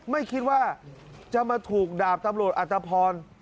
ไม่คิดว่าจะมาถูกดาบตำรวจอัตภพร